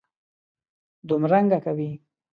دومرنګه کوي.